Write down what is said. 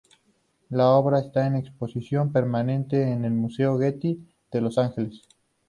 La obra está en exposición permanente en el Museo Getty de Los Angeles.